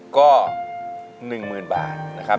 ก็๑๐๐๐บาทนะครับ